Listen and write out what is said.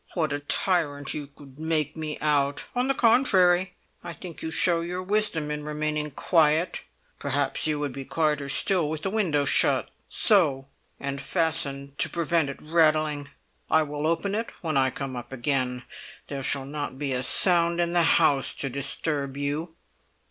"What a tyrant you would make me out! On the contrary, I think you show your wisdom in remaining quiet. Perhaps you would be quieter still with the window shut—so—and fastened to prevent it rattling. I will open it when I come up again. There shall not be a sound in the house to disturb you."